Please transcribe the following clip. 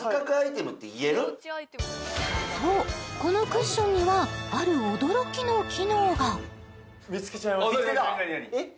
そうこのクッションにはある驚きの機能が・あっ